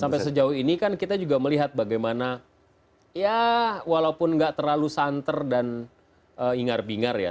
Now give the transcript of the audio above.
sampai sejauh ini kan kita juga melihat bagaimana ya walaupun nggak terlalu santer dan ingar bingar ya